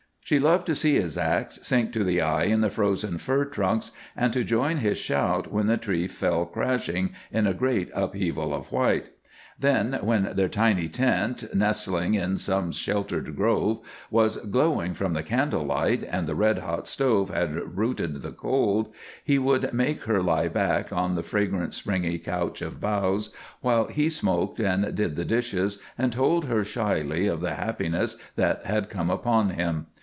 She loved to see his ax sink to the eye in the frozen fir trunks and to join his shout when the tree fell crashing in a great upheaval of white. Then when their tiny tent, nestling in some sheltered grove, was glowing from the candle light, and the red hot stove had routed the cold, he would make her lie back on the fragrant springy couch of boughs while he smoked and did the dishes and told her shyly of the happiness that had come upon him.